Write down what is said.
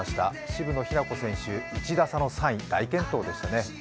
渋野日向子選手、１打差の３位大健闘でしたね。